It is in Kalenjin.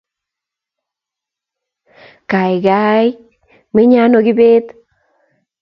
Gaigai, menye ano kibet?